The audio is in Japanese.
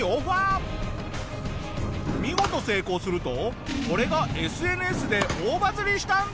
見事成功するとこれがＳＮＳで大バズりしたんだ！